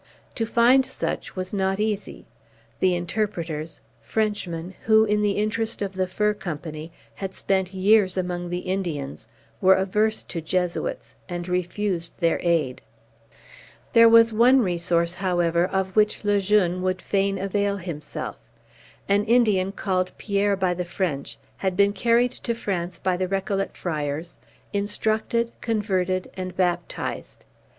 To find such was not easy. The interpreters Frenchmen, who, in the interest of the fur company, had spent years among the Indians were averse to Jesuits, and refused their aid. There was one resource, however, of which Le Jeune would fain avail himself. An Indian, called Pierre by the French, had been carried to France by the Récollet friars, instructed, converted, and baptized.